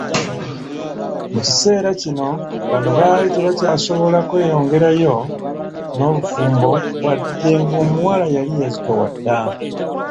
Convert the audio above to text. Mu kiseera kino bano baali tebakyasobola kweyongerayo n'obufumbo wadde ng'omuwala yali yazitowa dda.